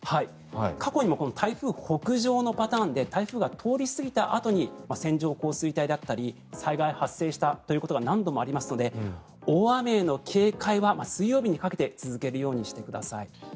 過去にも台風北上のパターンで台風が通り過ぎたあとに線状降水帯だったり災害が発生したということが何度もありますので大雨への警戒は水曜日にかけて続けるようにしてください。